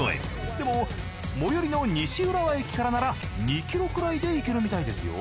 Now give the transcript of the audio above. でも最寄りの西浦和駅からなら２キロくらいで行けるみたいですよ。